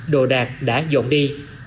đồ đạc đã dọn đi